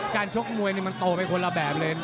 การชกมวยมันโตไปคนละแบบเลย